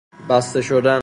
بسته شدن